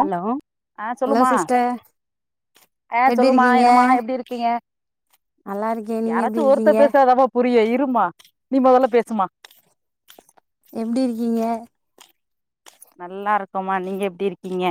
hello ஆ hello சொல்லுமா sister ஆ எப்டி சொல்லுமா இருக்கீங்க என்னம்மா எப்டிருக்கீங்க நல்லா இருக்கே நீங்க எப்டி யாராச்சு ஒருத்த இருக்கீங்க பேசுனாதாபா புரியு இரும்மா நீ மொதல்ல பேசுமா எப்டிருக்கீங்க நல்லாருக்கோமா நீங்க எப்டி இருக்கீங்க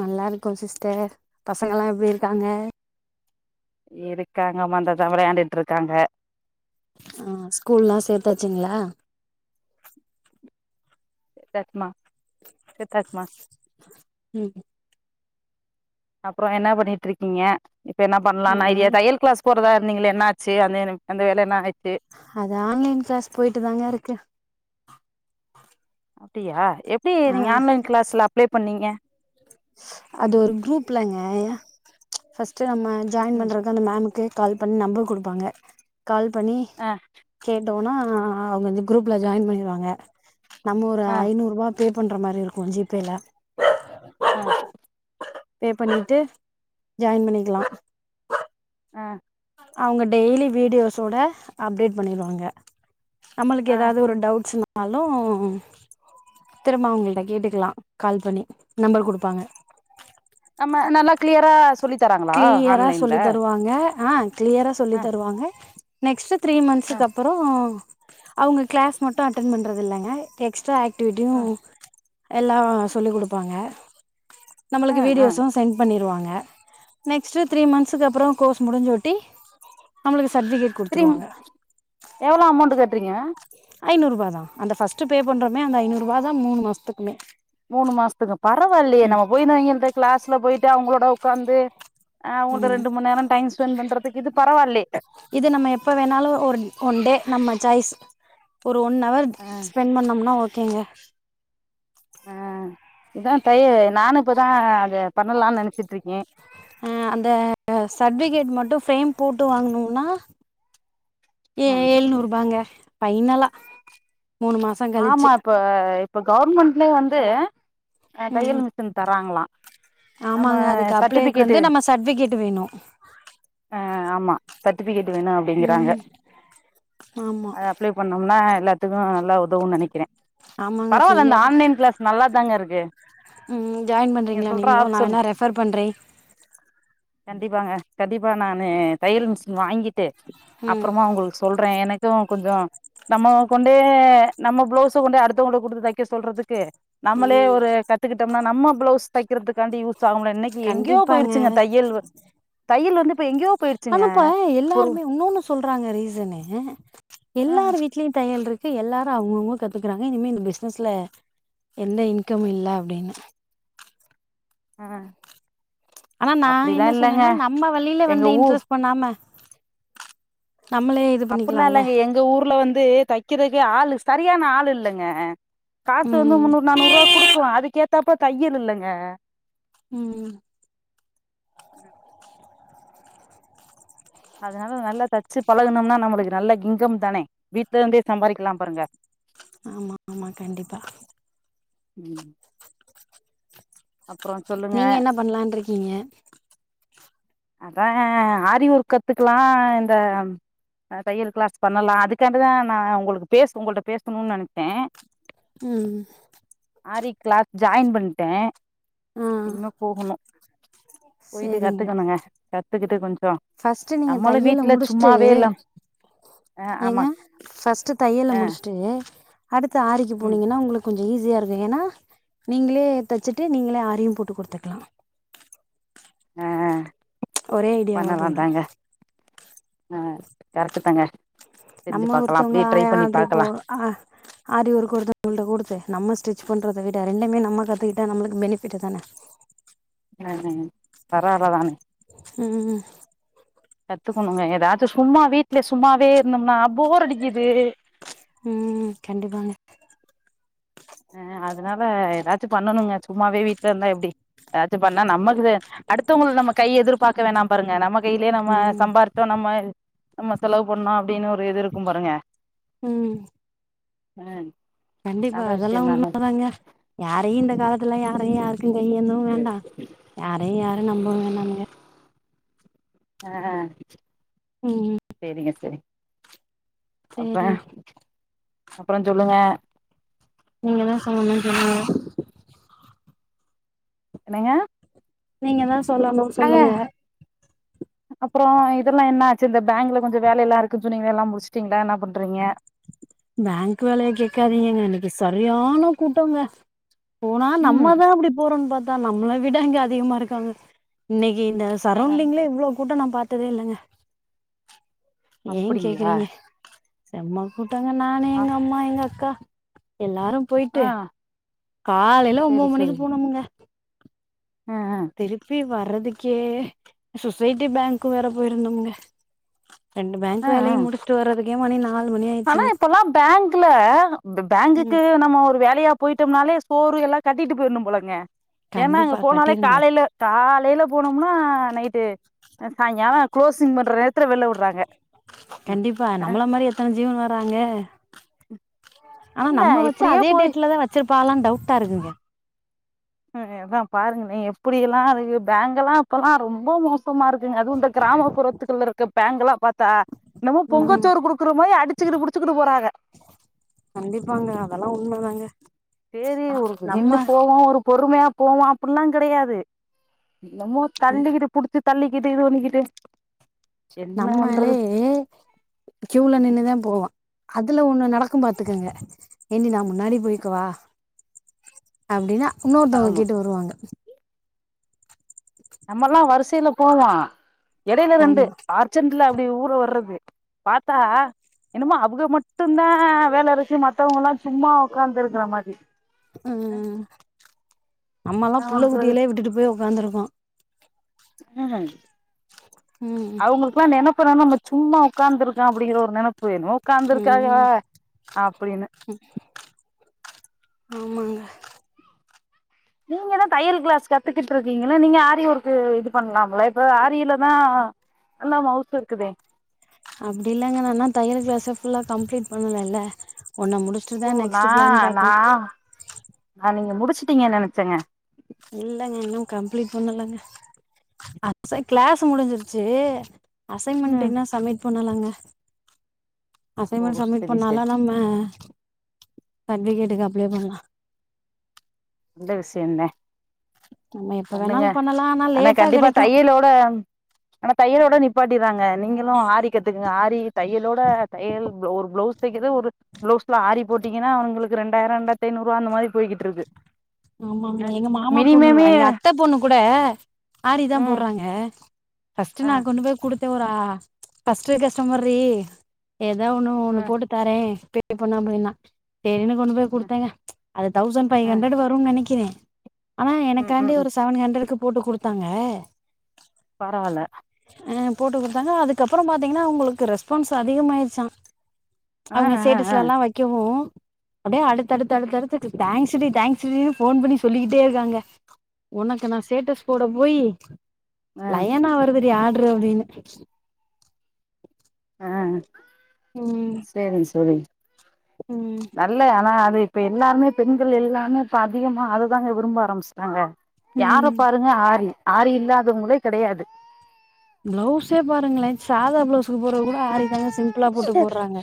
நல்லாருக்கோ சிஸ்டர் பசங்கள்லா எப்டிருக்காங்க இருக்காங்க மா இந்தாதா விளயாண்டுட்ருக்காங்க ஆ ஸ்கூல்லா சேத்தாச்சுங்ளா சேத்தாச்மா சேத்தாச்மா ம் அப்றோ என்ன பண்ணிட்ருக்கீங்க இப்ப என்ன பண்லான் நா ஐடியா தையல் கிளாஸ் போறதா இருந்தீங்ளே என்னாச்சு அந்த அந்த வேல என்னாய்ட்டு அது ஆன்லைன் கிளாஸ் போய்ட்டு தாங்கருக்கு அப்டியா எப்டி ஆ நீங்க ஆன்லைன் கிளாஸ்ல அப்ளே பண்ணீங்க அது ஒரு குரூப்லங்க ஃபர்ஸ்ட்டு நம்ம ஜாயின் ம் பண்றக்கு அந்த மேம்க்கு கால் பண்ணி நம்பர் குடுப்பாங்க கால் பண்ணி ஆ கேட்டோனா அவுங்க அந்த குரூப்ல ஜாய்ன் பண்ணிருவாங்க நம்ம ஒரு ஆ ஐநூறுவா பே பண்ற மாரி இருக்கு ஜி பே ல ஆ பே பண்ணிட்டு ஜாய்ன் பண்ணிக்லா ஆ அவுங்க டெய்லி வீடியோஸோட அப்டேட் பண்ணிருவாங்க நம்மளுக்கு ஆ எதாவ்து ஒரு டவுட்ஸ் னாலு திரும்ப அவுங்கள்ட்ட கேட்டுக்லா கால் பண்ணி நம்பர் குடுப்பாங்க நம்ம நல்லா கிளியரா சொல்லி தராங்களா கிளியரா ஆன்லைன்ல சொல்லி தருவா ங்க ஆ கிளியரா சொல்லி ஆ தருவாங்க நெக்ஸ்ட்டு த்ரீ ஆ மன்த்ஸுக்கப்பறோ அவுங்க கிளாஸ் மட்டு அட்டன் பண்றதில்லங்க எக்ஸ்ட்ரா ஆக்டிவிட்டியு ஆ எல்லா சொல்லி குடுப்பாங்க ஆ நம்மளுக்கு ஆ வீடியோஸு சென்ட் பண்ணிருவாங்க நெக்ஸ்ட்டு த்ரீ மன்ஸ்ஸுக்கு அப்பறோ கோர்ஸ் முடிஞ்சோட்டி நம்ளுக்கு சர்டிஃபிகேட் திரும் குடுத்துருவாங்க எவ்ளோ அமௌண்ட் கட்றீங்க ஐநூறுவா தா அந்த ஃபர்ஸ்ட்டு பே பண்றமே அந்த ஐநூறுவா தா மூனு மாசத்துக்குமே மூனு மாசத்துக்கு பரவாயில்லயே நம்ம போய்னு இங்கந்து கிளாஸ்ல போயிட்டு அவங்களோட உட்காந்து ஆ உங்கிட்ட ரெண்டு மண் நேரோ டைம் ஸ்பெண்ட் பண்றதுக்கு இது பரவாயில்லே இது நம்ம எப்போ வேணாலு ஒரு ஒன் டே நம்ம சாய்ஸ் ஒரு ஒன் அவர் ஆ ஸ்பென் பண்ணோம்னா ஓகேங்க ஆ இதா தையி நானு இப்பதா அத பண்ணலான் நெனச்சிட்ருக்கே ஆ அந்த சர்ட்டிஃபிகேட் மட்டு ஃப்ரேம் போட்டு வாங்கனுனா ஏ ம் ஏழ்நூறுபாங்க ஃபைனலா மூணு மாஸ் ஆமா இப்போ இப்ப கவர்மெண்ட்லே வந்து அ ம் தையல் மிஷின் தராங்களா நம்ம ஆமாங்க அதுக் அப்ளேக்கு வந்து நம்ம சர்ட்டிஃபிகேட்டு வேணு ஆ ஆமா சர்ட்டிஃபிகேட் வேணு அப்டிங்கிறாங்க ம் ஆமாம் அப்ளே பண்ணுன்னா எல்லாத்துக்கு நல்ல உதவுன் நெனைக்கிறே ஆமாங்க பரவால்ல அந்த ஃப்ரீயாக ஆன்லைன் கிளாஸ் நல்லா தாங்க இருக்கு ம் ஜாயின் நீங்க பண்றீங்களா சொல்ற நீங்களு நா ஆப்ஷன் வேணா ரெஃபர் பண்றே கண்டிப்பாங்க கண்டிப்பா நானு தையல் மிஷின் வாங்கிட்டு ம் அப்புறமா உங்களு சொல்றே எனக்கு கொஞ்சோ நம்ம கொண்டே நம்ம பிளவுஸ் கொண்டு அடுத்தவங்கிட்ட குடுத்து தைக்க சொல்றதுக்கு நம்மளே ம் ஒரு கத்துக்கிட்ட ந நம்ம பிளவுஸ் தைக்கிறதுக்காண்டி யூஸ் ஆகும்ல இன்னைக்கு எங்கியோ கண்டிப்பாங்க போயிருச்சுங்க தையல் தையல் வந்து இப்ப எங் ஆனாப்பா எல்லாருமே இன்னொன்னு சொல்றாங்க ரீசனு ஆ எல்லார் வீட் லி தையல் இருக்கு எல்லாரு அவ்ங்கவுங்க கத்துக்குறாங்க இனிமே இந் பிஸ்னஸ்ல என்ன இன்கம் இல்ல அப்டின்னு ஆ அனா நா அப்டிலா என்ன இல்லங்க சொன்னேன்னா நம்ம வழியில எங்க வந்து ஊ இன்ட்ரெஸ்ட் பண்ணாம நம்மளே இது அப்பர்ல்லா பண்ணிக்கலாம்ல இல்லங்க எங்க ஊர்ல வந்து தைக்கிறக்கு ஆளு சரியான ஆள் இல்லங்க காசு வந்து ம் முன்னூறு நானூறுரூவா குடுக்குறோ அதுக்கேத்தாப்ப தையல் இல்லங்க ம் அதனால நல்லா தச்சு பழகனும்னா நம்மளுக்கு நல்ல இன்ங்கம் தானே வீட்ல இருந்தே சம்பாறிக்கலா பாருங்க ஆமா ஆமா கண்டிப்பா ம் அப்புறோ சொல்லுங்க நீங்க என்ன பண்லான்ருக்கீங்க அதா ஆரி வொர்க் கத்துக்கெல்லா இந்த அ தையல் கிளாஸ் பண்ணலா அதுக்காண்டுதா நா உங்களுக் பேஸ் உங்கள்ட பேசணுன் நனைப்பே ம் ஆரி கிளாஸ் ஜாயின் பண்ட்டே ஆ இனிமே போகணு போயிட்டு கத்துக்கணுங்க கத்துக்கிட்டு கொஞ்சோ பஃஸ்ட்டு நீங்க நம்மளு தையல்ல வீட்ல முடுஸ்ட்டு சும்மாவே இல்ல ஆ ஏங்க ஆமா பஸ்ட்டு தையல ஆ முடுஸ்ட்டு அடுத்த ஆரிக்கு ம் போனீங்கன்னா உங்களுக் கொஞ்ச ஈஸியா இருக்கு ஏன்னா நீங்களே தெச்சிட்டு நீங்களே ஆரியு போட்டு குடுத்துக்கலா ஆ ஒரே ஐடியாவா பண்ணலா போயிடு தாங்க ஆ கர்ட்டு தாங்க செஞ்சு நம்ம பாக்கலா ஒருத்தவ்ங்க அப்டியே ஆ ட்ரை ஆ பண்ணி ன்டுருப்போ பாக்கலா அவ ஆரிவொர்க் ஒருத்தங்கள்ட்ட குடுத்து நம்ம ஸ்டிச் பண்றத விட ரெண்டுமே நம்ம கத்துக்கிட்டா நம்மளுக்கு பெனிபிட் தானே ஆமா மேம் பரவாலதானே ம் ம் ம் கத்துக்கணுங்க எதாச்சு சும்மா வீட்ல சும்மாவே இருந்தோம்னா போர் அடிக்குது ம் கண்டிப்பாங்க ஆ அதனால எதாச்சு பண்ணணுங்க சும்மாவே வீட்ல இருந்தா எப்டி எதாச்சு பண்ணா நமக்கு அடுத்தவங்களுக்கு நம்ம கை எதிர்பார்க்க வேணா பாருங்க நமக் கையிலே நம்ம ம் சம்பாரிச்சோ நம்ம நம்ம செலவு பண்ணோ அப்டின்னு ஒரு இது இருக்கும் பாருங்க ம் அ அ நல்ல விஷ் எல்லா உண்மதாங்க யாரையு இந்த காலத்துல யாரையு யாருக்கும் கை ஏந்தவு வேண்டா யாரயு யாரு நம்பவு வேணாமுங்க அ ஆ ஆ ம் செரிங்க செரி அப்றோ சேரிங்க அப்றோ சொல்லுங்க நீங்கதா சொல்லணு சொல்லுங்க என்னங்க நீங்கதா சொல்லனு சொல்லுங்க அப்றோ இதெல்லா என்ன ஆச்சு இந்த பேங்க்ல கொஞ்சொ வேலெல்லா இருக்குனு சொன்னிங்களே எல்லா முடிச்சுட்டீங்ளா என்ன பண்றீங்க பேங்க் வேலைய கேக்காதீங்கங்க என்ன இன்னைக்கு சரியான கூட்டங்க போனா ம் நம்மதா அப்டி போறோன் பாத்தா நம்மள விட இங்க அதிகமா இருக்காங்க இன்னைக்கு இந்த சரௌண்டிங்லே இவ்ளோ கூட்டோ நா பாத்ததே இல்லைங்க ஏ அப்டிங்களா கேக்குறீங்க செம்ம கூட்டங்க நான் ஆ நா எங்க அக்கா எல்லாரு போயிட்டு ஆ காலைல செரி ஒம்போது மணிக்கு போனோமுங்க அ அ திருப்பி வர்றதுக்கே சொசைட்டி பேங்க்கு வேற போயிருந்தோம்ங்க ரெண்டு பேங்க் ம் வேலையையு ம் முடிச்சிட்டு வரதுக்கே மணி நா ஆனா இப்பெல்லா பேங்க்ல பே பேங்க்குக்கு ம் நம்ம ஒரு வேலையா போயிட்டோம்னாலே சோறு எல்லா கட்டிட்டு போயிரணு போலங்க ஏனா அங்கே கண்டிப்பா போனாலே கட்டிருங்க காலைல காலைல போனோம்னா நைட்டு அ சாய்ங்காலோ க்ளோஸிங் பண்ற நேரத்துல வெள்ல விட்றாங்க கண்டிப்பா நம்மள மாரி எத்தன ஜீவன் வராங்க ஆனா இல்ல நம்ம வச்ச இப்டியே அதே போய் டேட்லதா வச்சிருப்பாங்லானு டவுட்டா இருக்குங்க ம் அதா பாருங்களே எப்டி எல்லாருக்கு பேங்கெல்லா இப்பல்லா ரொம்ப மோசமா இருக்குங்க அதுவும் இந்த கிராமப்புற த்துக்குள்ள இருக்க பேங்கெல்லா பாத்தா என்னமோ ம் பொங்கச்சோறு குடுக்குற மாரி அடிச்சுக்குட்டு புடிச்சுக்ட்டு போறாக கண்டிப்பாங்க அதெல்லா உண்ம தாங்க சேரி ஒரு நின்னு போலா ஒரு பொறுமையா போலா அப்டில்லா கெடையாது என்னமோ தள்ளிக்குட்டு புடுச்சு தள்ளிக்குட்டு ஓடிக்கிட்டு நம்மலே கீவ்ள நின்னுதா போவ அதுல ஒன்னு நடக்கும் பாத்துக்கங்க ஏங்க நா முன்னாடி போய்கவா அப்டின்னா இன்னொருத்தவ்ங்க ஆமா கேட்டு வருவாங்க நம்மல்லா வரிசைல போவோ எடைல ரெண்டு ஆமா அர்ச்சண்ட்ல அப்டி ஊற வர்றது பாத்தா என்னமோ அவுக மட்டுந்தா வேல இருக்கு மத்தவங்கெல்லா சும்மா உக்காந்து இருக்கிற மாதி அ நம்மல்லா என்ன புள்ள பண்றது குட்டிகலே விட்டுட்டு போய் உக்காந்துருக்கோ [unintelligible] ம் அவுங்களுக்குல்லா நெனப் ப்புற நம்ப சும்மா உக்காந்துருக்க அப்புடிங்கிற ஒரு நெனைப்பு என்னமோ உக்காந்துருக்கா இவ ம் அப்புடின்னு ஆமாங்க நீங்கதா தையல் க்ளாஸ் கத்துக்கிட்ருக்கீங்கள்ள நீங்க ஆரிய ஒர்க்கு இது பண்லாம்ல இப்ப ஆரிலதா அல்லா மௌஸ்ல இர்க்குதே அப்டி இல்லங்க நா இன்ன தையல் க்ளாஸ ஃ புல்லா கம்ப்ளீட் பண்ணலல்ல ஒன்ன முடுஷ் ட்டு ஓ தே நெக்ஸ்ட் ப்ளேன் பாக்கணு அத நீங்க முடிச்சுட்டீங்க நெனச்சங்க இல்லங்க இன்னு கம்ப்ளீட் பண்ணலங்க அப்ஸ க்ளாஸ் முடிஞ்சிருச்சு அசைமன்ட் ம் என்ன சமிட் பண்ணலாங்க ஓ அசைமண்ட் சப்மிட் செரி செரி பண்ணால நம்ம சட்விகேட்டுக்கு அப்ளே பண்லா அந்த விஷ்யந்த நம்ம எப்ப பண்ணுங்க வேணாலு பண்ணலா ஆனா லேட்டா கண்டிப்பா கெடைக்கு தையலோ ட அ னா தயலோட நிப்பாட்டிற்றாங்க நீங்களு ஆரி கத்துக்குங்க ஆரி தையலோட தையல் ஒரு ப்ளவுஸ் தக்கிது ஒரு ப்ளவுஸ்ல ஆரி போட்டீங்கன்னா அவனுங்களுக்கு ரெண்டாயர ரெண்டாயத்து ஐநூறுவா அந்த மாரி போய்கிட்ருக்கு ஆமா அ எங்க மாமா பொண்ணுவ மினிமமே எங்க அத்த பொண்ணு கூட ஆரிதா ம் போற்றாங்க ஃபஸ்ட்டு அ நா கொண்டு போய் குடுத்தே ஒரு ஆ ஃபஸ்ட்டு கஸ்டமர்ரி ஏதோ ஒன்னு அ ஒன்னு போட்டு தாரேபே பண்ணு அப்புடின்னா சேரினு கொண்டு போய் அ குடுத்தேங்க அது தௌசண்ட் அ ஃபைஹண்ரட்டு வர் ரும் நெனக்கிறே ஆனா ம் ம் எனக்காண்டி ம் ஒரு சவன் ஹண்ரடுக்கு போட்டு குடுத்தாங்க பரவால்ல அ போட்டு குடுத்தாங்க அதுக்கு அப்பற பாத்தீங்கன்னா அவுங்குளுக்கு ரெஸ்பான்ஸ் அதிகமாயிர்ச்சா அ அவுங்க அ அ சேட்டஸ்லல்லா வக்கவு அப்டே அடுத் தடுத் தடுத் தடுத்து து தேங்க்ஸுடி தேங்க்ஸ் ஸு ஃபோன் பண்ணி சொல்லிக்கிட்டே இருக்காங்க உனக்கு நா ஸ்டேட்டஸ் போட போயி அ லயனா வருது ஆட்ரு அப்டினு அ அ ம் சேரிங் சோழி ம் நல்ல ஆனா அது இப்ப எல்லாருமே பெண்கள் எல்லாருமே இப்ப அதிகமா அததாங்க விரும்ப ஆரம்ச்சுட்டாங்க யார ம் பாருங்க ஆரி ஆரி இல்லாதவுங்ளே கெடையாது ப்ளவ்ஸே பாருங்ளே சாதா ப்ளவுஸுக்கு போற்றத கூட ஆரி தாங்க சிம்புளா போட்டு போற்றாங்க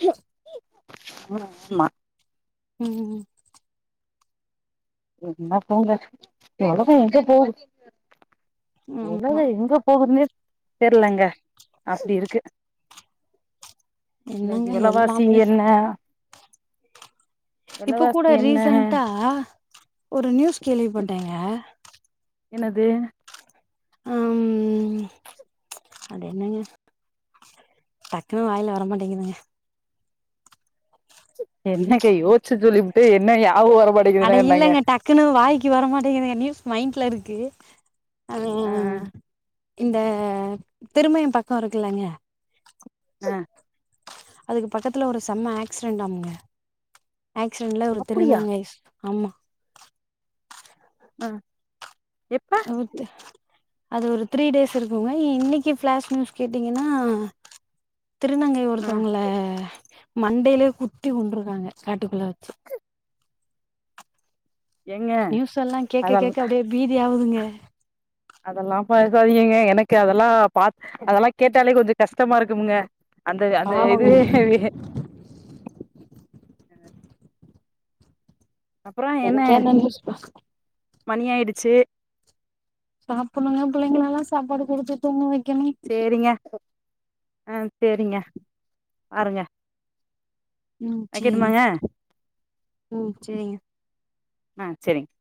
ம் மா ம் ம் என்ன போங்க ஒலக எங்க போவுது ம் உலக எங்கப் போகுதுனே தெர்லங்க அப்டி இருக்கு இன்னக்கி என்னங்க வெலவாசி எல்லாமே என்ன இப்ப கூட வெலவாசி என்ன ரீசன்ட்டா ஒரு நியூஸ் கேள்விப்பட்டேங்க என்னது அம் அட என்னங்க டக்குன்னு வாய்ல வரமாட்டேங்கிதுங்க என்னங்க யோச்சு சொல்லிபுட்டு என்ன யாவு வர மாட் அட இல்லங்க டக்குன்னு வாய்க்கு வரமாட்டேங்கிதுங்க நியூஸ் மைண்ட்ல இருக்கு அ ஆ இந்த திருமயம் பக்கோ இருக்குல்லைங்க அ அதுக்கு பக்கத்துல ஒரு செம்ம ஆக்சிடென்ட்டாமே ஆக்சிடென்ட்ல ஒரு அப்டியா திருநங்கை ஆமா ஆ எப்ப நேத்து அது ஒரு த்ரீ டேஸ் இருக்குங்க இன்னைக்கு பிளாஷ் நியூஸ் கேட்டீங்கன்னா திருநங்கை ஆ ஒருத்தவங்கள மண்டையிலயே குத்தி கொண்டிருக்காங்க காட்டுக்குள்ள வெச்சு ஏங்க நியூஸ் எல்லா கேக்க அதெல் கேக்க அப்டியே பீதி ஆவுதுங்க அதெல்லா பாக்காதீங்கங்க எனக்கு அதெல்லா பா அதெல்லா கேட்டாலே கொஞ்சோ கஷ்டமா இருக்குங்க அந்த அந்த இது பாவங்க அப்றோ என்ன எனக்கே அந்த நியூஸ் மணி ஆயிடுச்சு சாப்புட்னுங்க புள்ளைங்கள எல்லா சாப்பாடு குடுத்து தூங்க வெக்கணு சேரிங்க ஆ சேரிங்க பாருங்க ம் வைக்கட்டுமாங்க சேரிங்க ம் சேரிங்க ஆ சேரிங்க